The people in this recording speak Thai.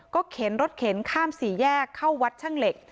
เข็นรถเข็นข้ามสี่แยกเข้าวัดช่างเหล็ก